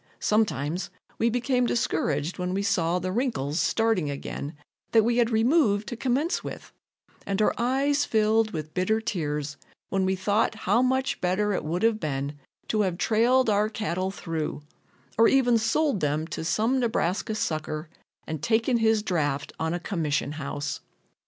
Sometimes we became discouraged when we saw the wrinkles starting again that we had removed to commence with, and our eyes filled with bitter tears when we thought how much better it would have been to have trailed our cattle through, or even sold them to some Nebraska sucker and taken his draft on a commission house.